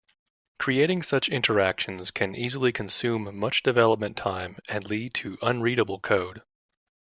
Creating such interactions can easily consume much development time and lead to unreadable code.